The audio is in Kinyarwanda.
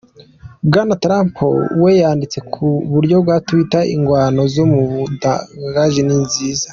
Bwana Trump we yanditse ku buryo bwa Twitter "Ingwano zo mu budandaji ni nziza.